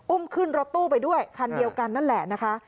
ขึ้นรถตู้ไปด้วยคันเดียวกันนั่นแหละนะคะ